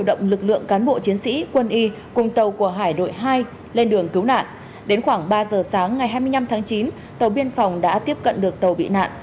từ hai mươi năm tháng chín tàu biên phòng đã tiếp cận được tàu bị nạn